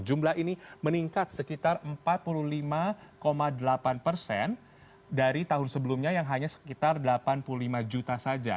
jumlah ini meningkat sekitar empat puluh lima delapan persen dari tahun sebelumnya yang hanya sekitar delapan puluh lima juta saja